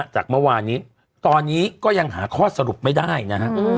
จากเมื่อวานนี้ตอนนี้ก็ยังหาข้อสรุปไม่ได้นะฮะ